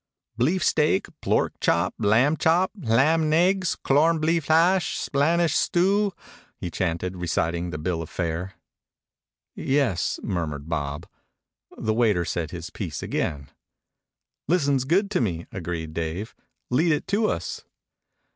"Bleef steak, plork chop, lamb chop, hlam'neggs, clorn bleef hash, Splanish stew," he chanted, reciting the bill of fare. "Yes," murmured Bob. The waiter said his piece again. "Listens good to me," agreed Dave. "Lead it to us."